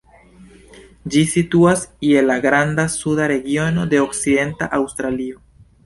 Ĝi situas je en la Granda Suda regiono de Okcidenta Aŭstralio.